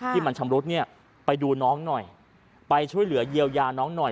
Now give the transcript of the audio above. ที่มันชำรุดเนี่ยไปดูน้องหน่อยไปช่วยเหลือเยียวยาน้องหน่อย